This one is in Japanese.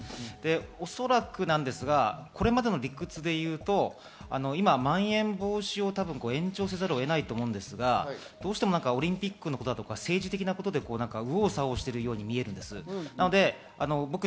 おそらくですがこれまでの理屈でいうと、今、まん延防止を延長せざるを得ないと思うんですが、どうしてもオリンピックとか政治的なことで右往左往しているように見えます。